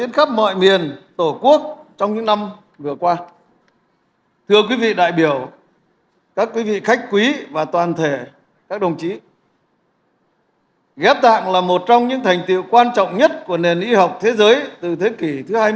theo thủ tướng ghép tạng là một trong những thành tựu quan trọng nhất của nền y học thế giới từ thế kỷ hai mươi